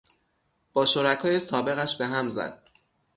با شرکای سابقش به هم زد.